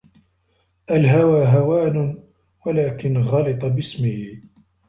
الْهَوَى هَوَانٌ وَلَكِنْ غَلِطَ بِاسْمِهِ